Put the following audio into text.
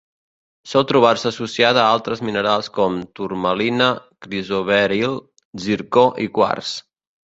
Sol trobar-se associada a altres minerals com: turmalina, crisoberil, zircó i quars.